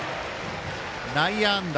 内野安打。